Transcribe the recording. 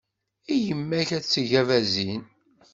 I yemma-k ad d-tegg abazin.